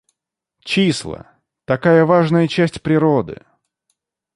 Числа, такая важная часть природы!